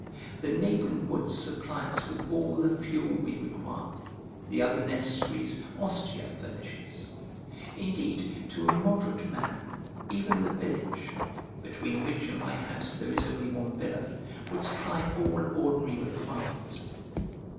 The neighbouring woods supply us with all the fuel we require, the other necessaries Ostia furnishes. Indeed, to a moderate man, even the village (between which and my house there is only one villa) would supply all ordinary requirements.